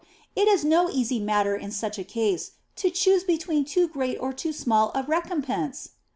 It is no easy matter in such a case to choose between too great or too small a recompense."